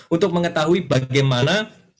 untuk mengetahui bagaimana